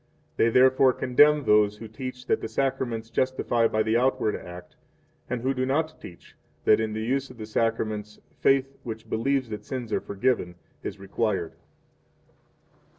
3 They therefore condemn those who teach that the Sacraments justify by the outward act, and who do not teach that, in the use of the Sacraments, faith which believes that sins are forgiven, is required.